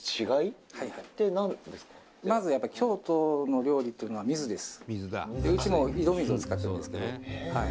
「まずやっぱり京都の料理っていうのは水です」